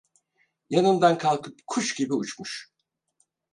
Yanından kalkıp kuş gibi uçmuş.